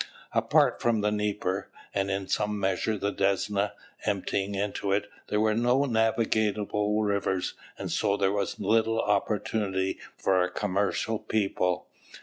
Apart from the Dnieper, and in some measure the Desna, emptying into it, there were no navigable rivers and so there was little opportunity for a commercial people.